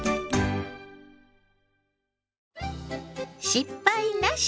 「失敗なし！